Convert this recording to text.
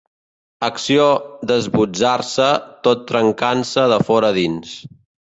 Acció d'esbotzar-se, tot trencant-se de fora a dins.